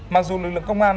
mặc dù lực lượng công an